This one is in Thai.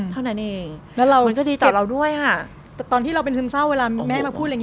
เท่านั้นเองแล้วเราก็ดีต่อเราด้วยฮะแต่ตอนที่เราเป็นซึมเศร้าเวลาแม่มาพูดแบบ